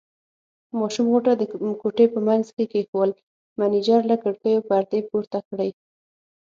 ماشوم غوټه د کوټې په منځ کې کېښوول، مېنېجر له کړکیو پردې پورته کړې.